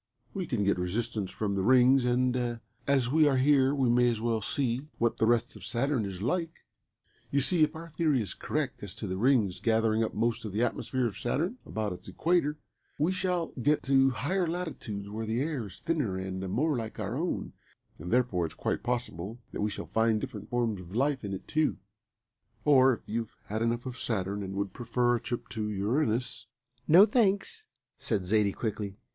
We can get resistance from the Rings, and as we are here we may as well see what the rest of Saturn is like. You see, if our theory is correct as to the Rings gathering up most of the atmosphere of Saturn about its equator, we shall get to higher latitudes where the air is thinner and more like our own, and therefore it's quite possible that we shall find different forms of life in it too or if you've had enough of Saturn and would prefer a trip to Uranus " "No, thanks," said Zaidie quickly.